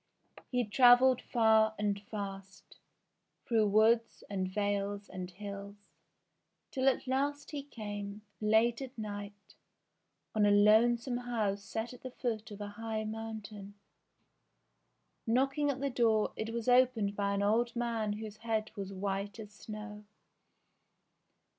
He travelled far and fast, through woods, and vales, and hills, till at last he came, late at night, on a lonesome house set at the foot of a high mountain. Knocking at the door, it was opened by an old man whose head was white as snow.